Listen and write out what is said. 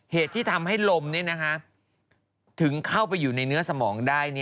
เหตุที่ทำให้ลมถึงเข้าไปอยู่ในเนื้อสมองได้